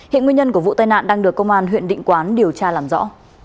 hiện nguyên nhân của vụ tai nạn đang được công an huyện định quán điều tra làm rõ